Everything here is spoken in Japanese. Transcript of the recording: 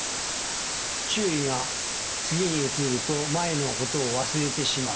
注意が次に移ると前のことを忘れてしまう。